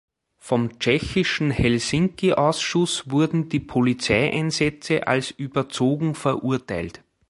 Vom tschechischen Helsinki Ausschuss wurden die Polizeieinsätze als überzogen verurteilt.